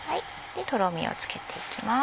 とろみをつけていきます。